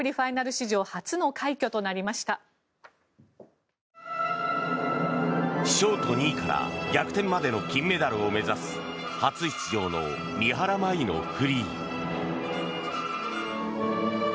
ショート２位から逆転までの金メダルを目指す初出場の三原舞依のフリー。